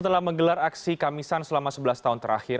setelah menggelar aksi kamisan selama sebelas tahun terakhir